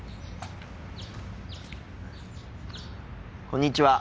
こんにちは。